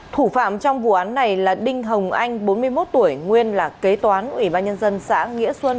thủ phạm trong vụ án này là đinh hồng anh bốn mươi một tuổi nguyên là kế toán ủy ban nhân dân xã nghĩa xuân